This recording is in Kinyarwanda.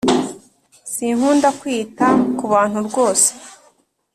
Sinkunda kwita kubantu rwose